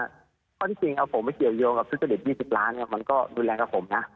เพราะจริงเอาผมไปเกี่ยวยงกับทุจริต๒๐ล้านมันก็รุนแรงกับผมนะ